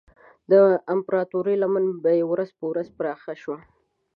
د امپراتورۍ لمن یې ورځ په ورځ پراخه شوه.